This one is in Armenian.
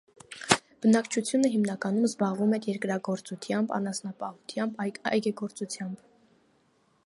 Բնակչությունը հիմնականում զբաղվում էր երկրագործությամբ, անասնապահությամբ, այգեգործությամբ։